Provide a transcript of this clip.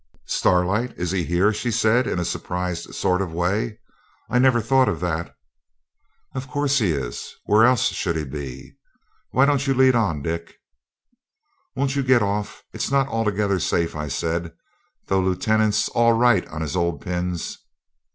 'Starlight! is he here?' she said, in a surprised sort of way. 'I never thought of that.' 'Of course he is; where else should he be? Why don't you lead on, Dick?' 'Won't you get off? It's not altogether safe,' I said, 'though Lieutenant's all right on his old pins.'